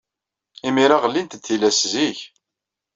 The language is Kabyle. Imir-a, ɣellint-d tillas zik.